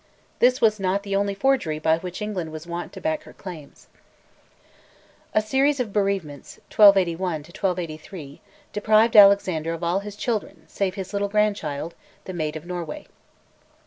This was not the only forgery by which England was wont to back her claims. A series of bereavements (1281 1283) deprived Alexander of all his children save his little grandchild, "the Maid of Norway."